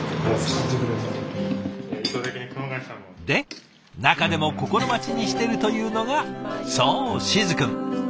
で中でも心待ちにしてるというのがそう静くん。